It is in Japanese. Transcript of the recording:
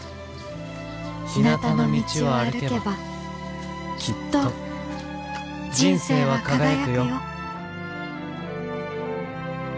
ひなたの道を歩けばきっと人生は輝くよ」。